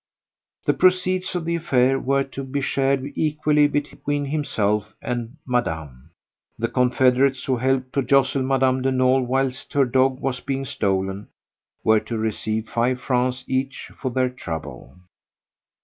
The proceeds of the affair were to be shared equally between himself and Madame; the confederates, who helped to jostle Mme. de Nolé whilst her dog was being stolen, were to receive five francs each for their trouble.